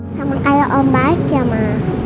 sama kayak om baik ya ma